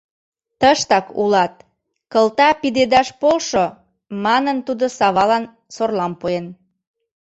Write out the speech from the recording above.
— Тыштак улат, кылта пидедаш полшо! — манын, тудо Савалан сорлам пуэн.